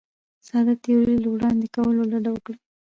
ساده تیورۍ له وړاندې کولو ډډه وکړي.